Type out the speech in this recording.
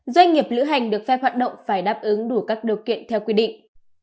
doanh nghiệp lữ hành được phép hoạt động phải đáp ứng đủ các điều kiện theo quy định